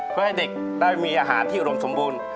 เพื่อให้เด็กได้มีอาหารที่อุดมสมบูรณ์